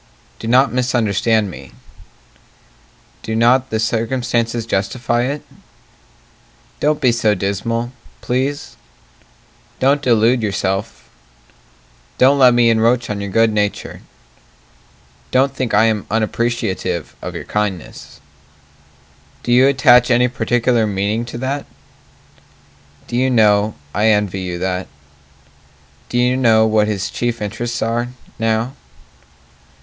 Do not misunderstand me Do not the circumstances justify it? Don't be so dismal, please Don't delude yourself Don't let me encroach on your good nature Don't think I am unappreciative of your kindness Do you attach any particular meaning to that? Do you know, I envy you that Do you know what his chief interests are now?